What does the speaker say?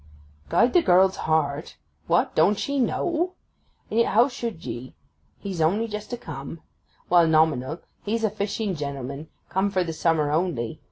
'Guide the girl's heart! What! don't she know? And yet how should ye—he's only just a come.—Well, nominal, he's a fishing gentleman, come for the summer only.